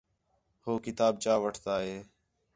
ہو کتاب چا وٹھتا ہِے